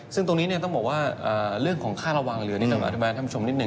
ซึ่งตรงนี้ต้องบอกว่าเรื่องของค่าระวังเรือนี่ต้องอธิบายท่านผู้ชมนิดนึ